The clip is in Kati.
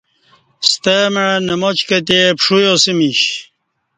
ستمع نماچ کتےپݜویاسمیش